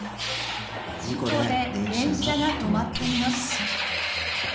「事故で電車が止まっています」。